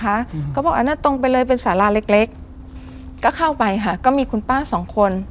เขาบอกอันนั้นตรงไปเลยเป็นสาราเล็กเล็กก็เข้าไปค่ะก็มีคุณป้าสองคน